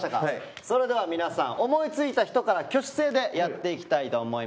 それでは皆さん思いついた人から挙手制でやっていきたいと思います。